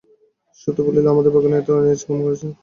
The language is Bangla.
সতু বলিল, আমাদের বাগানে কেন এয়েচ আম কুড়ুতে?